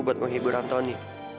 buat menghibur antoni